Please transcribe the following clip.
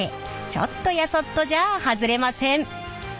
ちょっとやそっとじゃあ外れません。